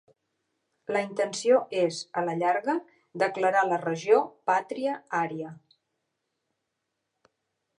La intenció és, a la llarga, declar la regió pàtria "Ària".